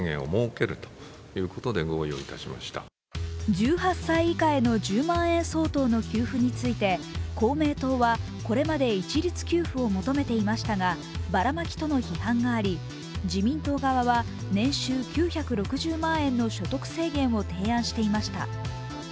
１８歳以下への１０万円給付について、公明党はこれまで一律給付を求めていましたがバラマキとの批判があり、自民党側は年収９６０万円の所得制限を提案していました。